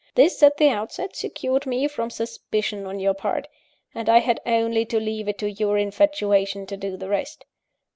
This, at the outset, secured me from suspicion on your part; and I had only to leave it to your infatuation to do the rest.